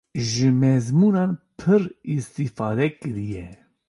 ji mezmûnan pir îstîfade kiriye.